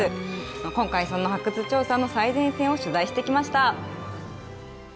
今回、そんな発掘調査の最前線を取材してきました。